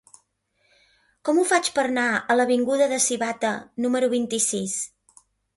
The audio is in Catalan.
Com ho faig per anar a l'avinguda de Sivatte número vint-i-sis?